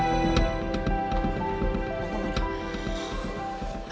efeknya agak daftar